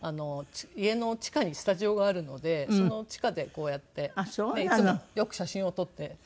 家の地下にスタジオがあるのでその地下でこうやっていつもよく写真を撮っています。